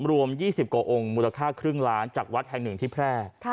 รวม๒๐กว่าองค์มูลค่าครึ่งล้านจากวัดแห่งหนึ่งที่แพร่